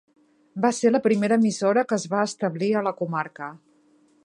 Va ser la primera emissora que es va establir a la comarca.